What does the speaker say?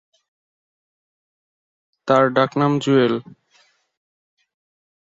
তার ডাক নাম জুয়েল।